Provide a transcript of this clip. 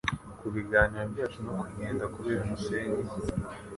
kubiganiro byacu no kugenda kubera umusenyi